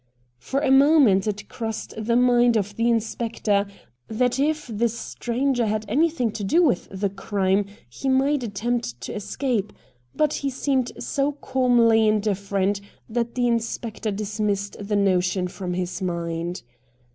For a moment it crossed the mind of the inspector that if the stranger had anythmg to do with ii8 RED DIAMONDS the (jrime he might attempt to escape, but he seemed so calmly indifferent that the inspector dismissed the notion from his mind.